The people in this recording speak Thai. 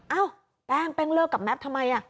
เอ้าแป้งแป้งเลิกกับแม็ปทำไม